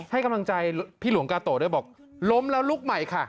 ให้กำลังใจพี่หลวงกาโตะด้วยบอกล้มแล้วลุกใหม่ค่ะ